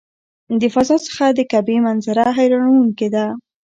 د فضا څخه د کعبې منظره حیرانوونکې ده.